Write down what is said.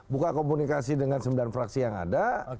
buka komunikasi dengan sembilan fraksi yang ada